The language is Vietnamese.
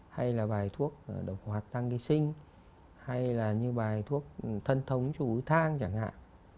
hay là bài thuốc độc hóa tăng ký sinh hay là như bài thuốc thân thống chú thang chẳng hạn